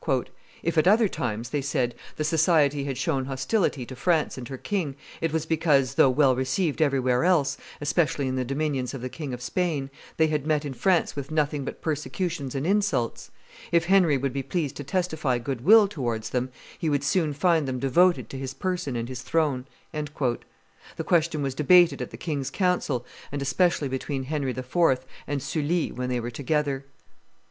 If at other times," they said, "the society had shown hostility to France and her king, it was because, though well received everywhere else, especially in the dominions of the King of Spain, they had met in France with nothing but persecutions and insults. If Henry would be pleased to testify good will towards them, he would soon find them devoted to his person and his throne." The question was debated at the king's council, and especially between Henry IV. and Sully when they were together.